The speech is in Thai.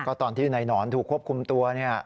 ก็ตอนที่นายหนอนถูกควบคุมตัวเนี่ย